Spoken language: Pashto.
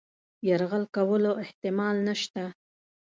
یرغل کولو احتمال نسته.